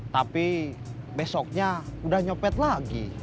tapi besoknya udah nyopet lagi